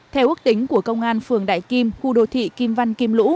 theo ước tính của công an phường đại kim khu đô thị kim văn kim lũ